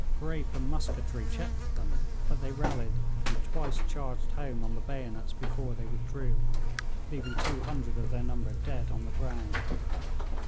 Grape and musketry checked them; but they rallied, and twice charged home on the bayonets before they withdrew, leaving 200 of their number dead on the ground.